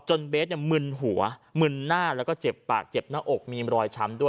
เบสมึนหัวมึนหน้าแล้วก็เจ็บปากเจ็บหน้าอกมีรอยช้ำด้วย